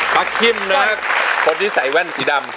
คิมนะครับคนที่ใส่แว่นสีดำ